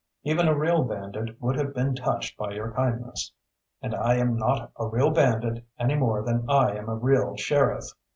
Even a real bandit would have been touched by your kindness. And I am not a real bandit any more than I am a real sheriff.